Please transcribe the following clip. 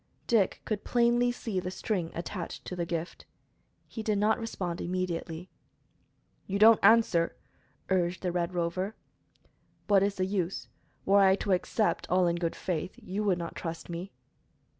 Dick could plainly see the string attached to the gift. He did not respond immediately. "You don't answer," urged the Red Rover. "What is the use? Were I to accept, all in good faith, you would not trust me."